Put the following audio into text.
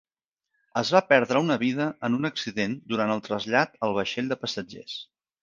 Es va perdre una vida en un accident durant el trasllat al vaixell de passatgers.